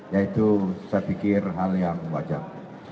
yaitu saya pikir hal yang wajar